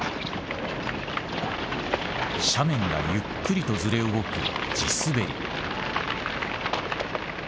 斜面がゆっくりと、ずれ動く地すべり。